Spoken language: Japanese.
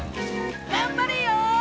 頑張れよ